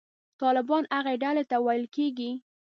طالبان هغې ډلې ته ویل کېږي.